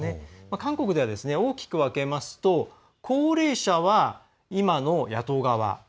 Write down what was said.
韓国では大きく分けますと高齢者は今の野党側。